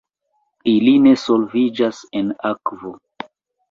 Ili ne solviĝas en akvo.